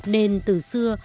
nên từ xưa